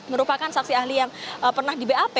merupakan saksi ahli yang pernah di bap